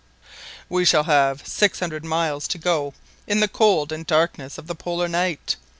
"We shall have six hundred miles to go in the cold and darkness of the Polar night.